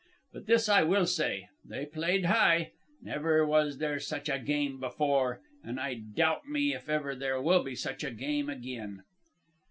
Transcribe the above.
But this I will say they played high. Never was there such a game before, and I doubt me if there will ever be such a game again.